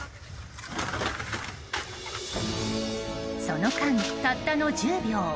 その間、たったの１０秒。